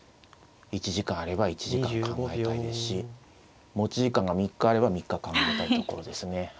１時間あれば１時間考えたいですし持ち時間が３日あれば３日考えたいところですね。